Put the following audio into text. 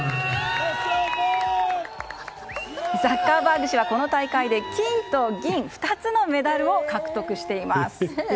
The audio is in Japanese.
ザッカーバーグ氏はこの大会で金と銀２つのメダルを獲得しています。